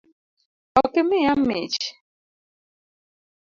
Ok imiya mich?